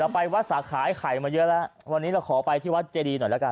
ไปวัดสาขาไอ้ไข่มาเยอะแล้ววันนี้เราขอไปที่วัดเจดีหน่อยแล้วกัน